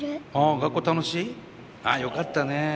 学校楽しい？ああよかったねえ。